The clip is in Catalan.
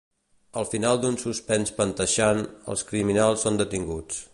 Al final d'un suspens panteixant, els criminals són detinguts.